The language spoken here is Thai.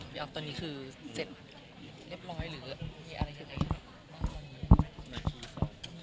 บุคคล์ตอนนี้คือเสร็จเรียบร้อยหรือมีอะไรขึ้นไป